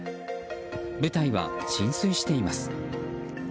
舞台は浸水しています。